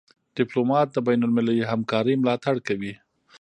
ډيپلومات د بینالمللي همکارۍ ملاتړ کوي.